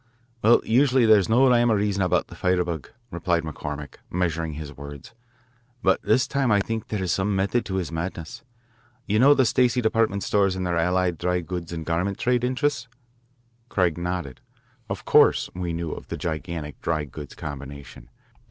"Well, usually there is no rhyme or reason about the firebug," replied McCormick, measuring his words, "but this time I think there is some method in his madness. You know the Stacey department stores and their allied dry goods and garment trade interests? Craig nodded. Of course we knew of the gigantic dry goods combination.